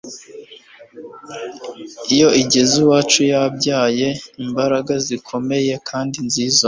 kandi iyo igeze iwacu yabyaye imbaraga zikomeye kandi nziza